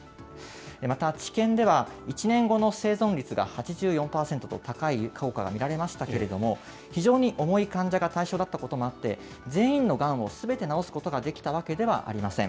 また、治験では１年後の生存率が８４％と高い効果が見られましたけれども、非常に重い患者が対象だったこともあって、全員のがんをすべて治すことができたわけではありません。